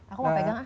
aku mau pegang ah